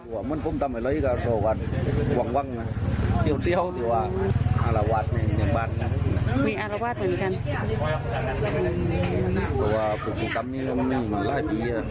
คือจะกัดเกลียดกันบางที